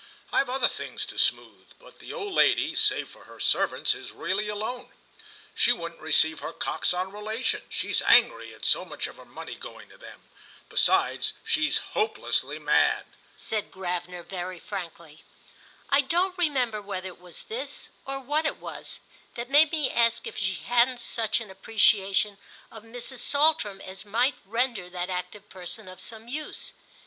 I've other things to smooth; but the old lady, save for her servants, is really alone. She won't receive her Coxon relations—she's angry at so much of her money going to them. Besides, she's hopelessly mad," said Gravener very frankly. I don't remember whether it was this, or what it was, that made me ask if she hadn't such an appreciation of Mrs. Saltram as might render that active person of some use.